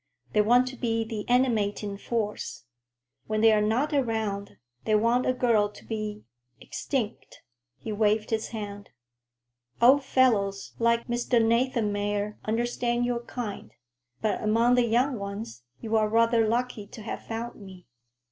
They want to be the animating force. When they are not around, they want a girl to be—extinct," he waved his hand. "Old fellows like Mr. Nathanmeyer understand your kind; but among the young ones, you are rather lucky to have found me.